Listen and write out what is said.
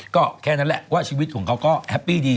ก็แค่นั้นแหละว่าชีวิตของเขาก็แฮปปี้ดี